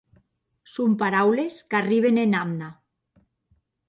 Son paraules qu'arriben ena amna.